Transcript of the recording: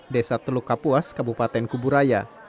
desa teluk kapuas kabupaten kuburaya